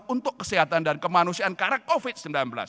untuk kesehatan dan kemanusiaan karena covid sembilan belas